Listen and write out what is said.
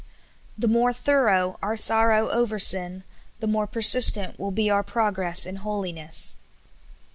The more thorough our sqrrow over sin, the more persistent will be our progress in holiness.